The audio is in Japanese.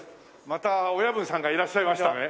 また親分さんがいらっしゃいましたね。